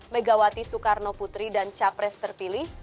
megawati soekarno putri dan capres terpilih